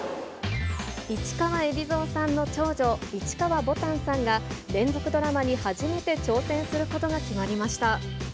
市川海老蔵さんの長女、市川ぼたんさんが、連続ドラマに初めて挑戦することが決まりました。